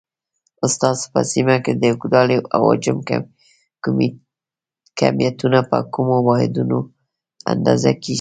ستاسو په سیمه کې د اوږدوالي، او حجم کمیتونه په کومو واحداتو اندازه کېږي؟